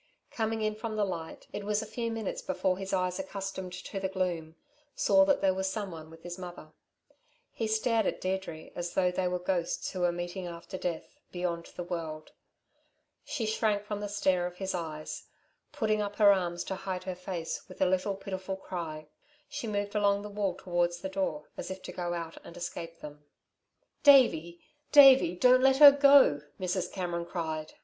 Coming in from the light, it was a few minutes before his eyes accustomed to the gloom, saw that there was someone with his mother. He stared at Deirdre as though they were ghosts who were meeting after death, beyond the world. She shrank from the stare of his eyes, putting up her arms to hide her face, with a little pitiful cry. She moved along the wall towards the door as if to go out and escape them. "Davey! Davey! Don't let her go," Mrs. Cameron cried.